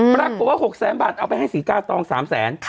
ปรากฏก็า๖๐๐บาทเอาไปให้ศุริการ์ตอง๓แสน